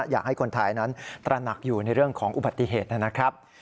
อยากให้คนไทยนั้นตระหนักอยู่ในเรื่องของอุบัติเหตุนะครับ